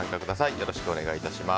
よろしくお願いします。